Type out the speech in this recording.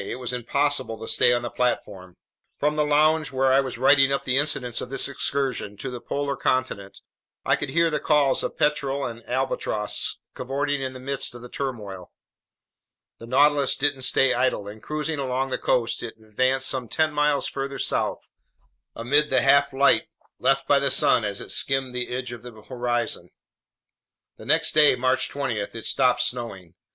It was impossible to stay on the platform. From the lounge, where I was writing up the incidents of this excursion to the polar continent, I could hear the calls of petrel and albatross cavorting in the midst of the turmoil. The Nautilus didn't stay idle, and cruising along the coast, it advanced some ten miles farther south amid the half light left by the sun as it skimmed the edge of the horizon. The next day, March 20, it stopped snowing.